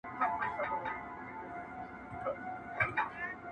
نه اثر وکړ دوا نه تعویذونو؛